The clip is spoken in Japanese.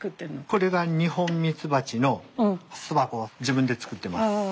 これがニホンミツバチの巣箱を自分で作ってます。